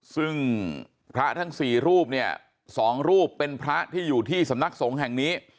ซึ่งพระทั้ง๔รูปเนี่ย๒รูปเป็นพระที่อยู่ที่สำนักสงฆ์แห่งนี้